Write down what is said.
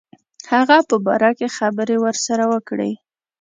هغه په باره کې خبري ورسره وکړي.